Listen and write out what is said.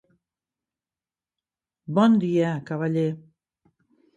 Bon dia, cavaller.